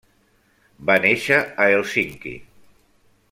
Va néixer a Hèlsinki.